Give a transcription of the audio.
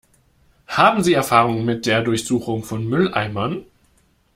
Haben Sie Erfahrung mit der Durchsuchung von Mülleimern?